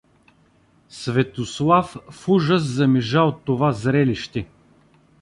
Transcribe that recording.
Светослав в ужас замижа от това зрелище.